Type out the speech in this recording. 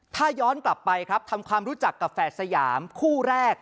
ถ้าย้อนกลับไปครับทำความรู้จักกับแฝดสยามคู่แรก